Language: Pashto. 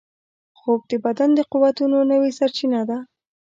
خوب د بدن د قوتونو نوې سرچینه ده